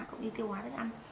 cũng như tiêu hóa thức ăn